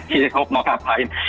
j hope mau ngapain